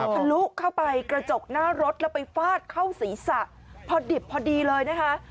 ทะลุเข้าไปกระจกหน้ารถแล้วไปฟาดเข้าศีรษะพอดิบพอดีเลยนะคะ